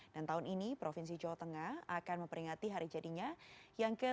dan tahun ini provinsi jawa tengah akan memperingati hari jadinya yang ke tujuh puluh delapan